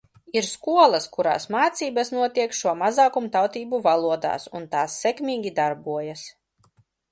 Ir skolas, kurās mācības notiek šo mazākumtautību valodās, un tās sekmīgi darbojas.